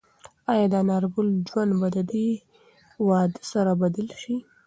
ایا د انارګل ژوند به د دې واده سره بدل شي؟